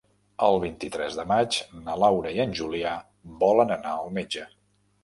El vint-i-tres de maig na Laura i en Julià volen anar al metge.